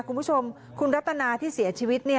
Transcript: คุณผู้ชมคุณรัตนาที่เสียชีวิต